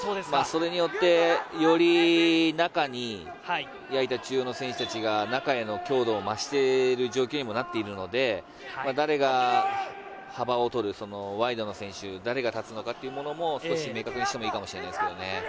それによってより中に矢板中央の選手たちが中への強度を増している状況にもなっているので、誰が幅を取る、ワイドの選手、誰が立つのかっていうのを少し明確にしたほうがいいかもしれないですね。